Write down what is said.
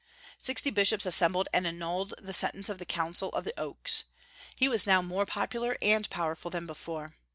Sixty bishops assembled and annulled the sentence of the Council of the Oaks. He was now more popular and powerful than before.